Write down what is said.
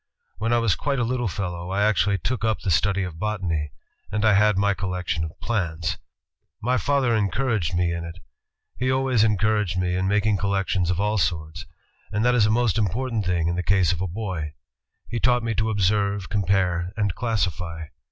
When I was quite a little fellow, I actually took up the study of botany, and I had my collection of plants. My father encouraged 230 INVENTIONS OF PRINTING AND COMMUNICATION me in it. He always encouraged me in making collections of all sorts, and that is a most important thing in the case of a boy. He taught me to observe, compare, and classify.